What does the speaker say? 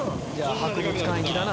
博物館行きだな。